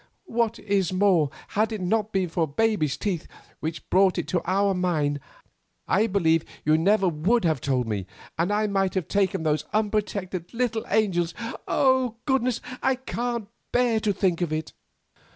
What is more, had it not been for baby's teeth, which brought it to your mind, I believe you never would have told me, and I might have taken those unprotected little angels and—Oh! goodness, I can't bear to think of it."